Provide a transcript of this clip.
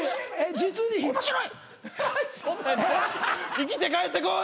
生きて帰ってこい！